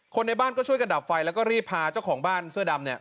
ในบ้านก็ช่วยกันดับไฟแล้วก็รีบพาเจ้าของบ้านเสื้อดำเนี่ย